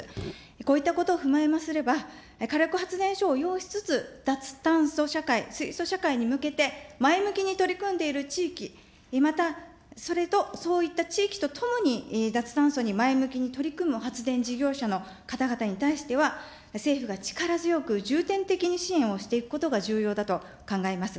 こういったことを踏まえますれば、火力発電所をようしつつ脱炭素社会、水素社会に向けて、前向きに取り組んでいる地域、またそれとそういった地域とともに脱炭素に前向きに取り組む発電事業者の方々に対しては、政府が力強く、重点的に支援をしていくことが重要だと考えます。